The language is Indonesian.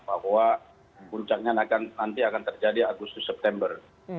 bahwa puncaknya nanti akan terjadi agustus september